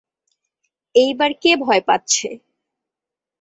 এইবার কে ভয় পাচ্ছে?